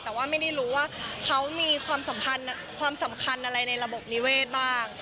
แต่ว่าไม่ได้รู้ว่าเขามีความสำคัญอะไรในระบบนิเวศบ้าง